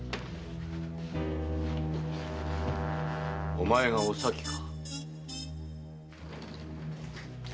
⁉お前がお咲か。